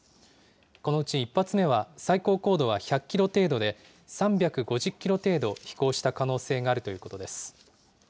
このうち１発目は最高高度は１００キロ程度で、３５０キロ程度飛行した可能性があるということです。